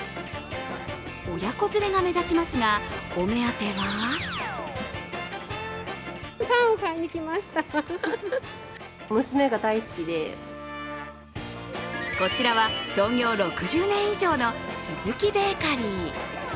親子連れが目立ちますが、お目当てはこちらは、創業６０年以上の鈴木ベーカリー。